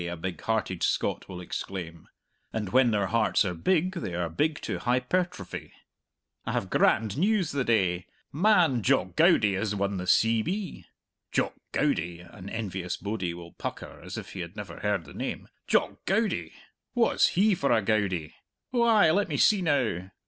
a big hearted Scot will exclaim (and when their hearts are big they are big to hypertrophy) "I have grand news the day! Man, Jock Goudie has won the C.B." "Jock Goudie" an envious bodie will pucker as if he had never heard the name "Jock Goudie? Wha's he for a Goudie? Oh ay, let me see now.